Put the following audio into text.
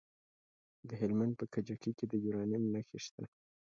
د هلمند په کجکي کې د یورانیم نښې شته.